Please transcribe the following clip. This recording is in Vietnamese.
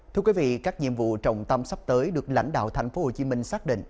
thưa quý vị các nhiệm vụ trọng tâm sắp tới được lãnh đạo thành phố hồ chí minh xác định